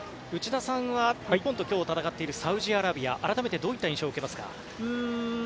内田さんは日本と今日戦っているサウジアラビア、改めてどういった印象を受けますか？